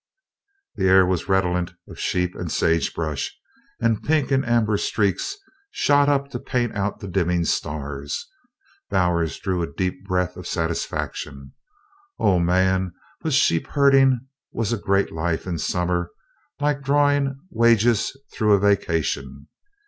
The air was redolent of sheep and sagebrush, and pink and amber streaks shot up to paint out the dimming stars. Bowers drew a deep breath of satisfaction. O man! but sheep herding was a great life in summer like drawing, wages through a vacation.